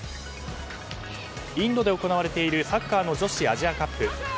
インドで行われているサッカーの女子アジアカップ。